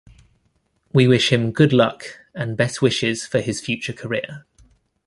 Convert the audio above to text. We wish him good luck and best wishes for his future career.